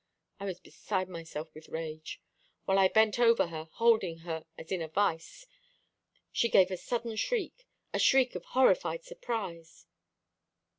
I was beside myself with rage. While I bent over her, holding her as in a vice, she gave a sudden shriek, a shriek of horrified surprise.